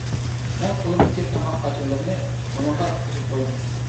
مەن قولۇمدىكى تاماق قاچىلىرىنى ئۇنىڭغا تۇتقۇزۇپ قويدۇم.